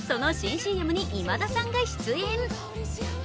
ＣＭに今田さんが出演。